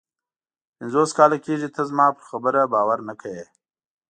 پنځوس کاله کېږي ته زما پر خبره باور نه کوې.